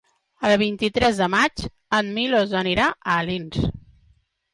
El vint-i-tres de maig en Milos anirà a Alins.